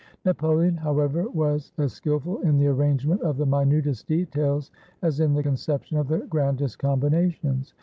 Napoleon, however, was as skillful in the arrangement of the minutest details as in the conception of the grand est combinations.